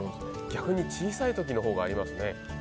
逆に、小さい時のほうがありますね。